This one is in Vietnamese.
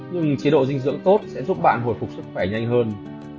nhưng chế độ dinh dưỡng tốt sẽ giúp bạn hồi phục sức khỏe nhanh hơn